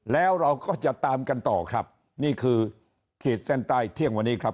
แล้วเราก็จะตามกันต่อครับนี่คือขีดเส้นใต้เที่ยงวันนี้ครับ